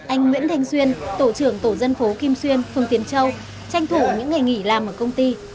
anh nguyễn thanh xuyên tổ trưởng tổ dân phố kim xuyên phường tiến châu tranh thủ những ngày nghỉ làm ở công ty